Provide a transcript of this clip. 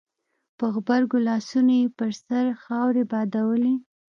په غبرګو لاسونو يې پر سر خاورې بادولې.